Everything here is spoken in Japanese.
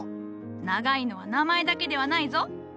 長いのは名前だけではないぞ。